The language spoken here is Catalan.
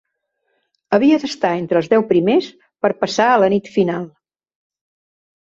Havia d'estar entre els deu primers per passar a la nit final.